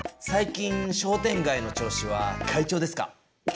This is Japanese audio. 最近商店街の調子は快調ですか？